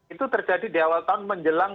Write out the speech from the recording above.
itu terjadi di awal tahun menjelang